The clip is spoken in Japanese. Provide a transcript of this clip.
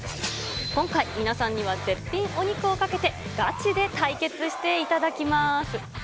今回、皆さんには絶品お肉をかけて、ガチで対決していただきます。